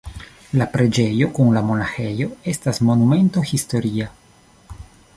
La preĝejo kun la monaĥejo estas Monumento historia.